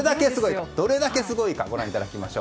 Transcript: どれだけすごいかご覧いただきます。